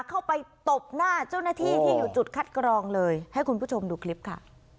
ตบหน้าเจ้าหน้าที่ที่อยู่จุดคัดกรองเลยให้คุณผู้ชมดูคลิปค่ะ